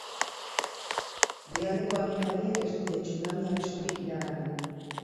Herrialdeko agintariek ez dute tsunami arriskurik iragarri.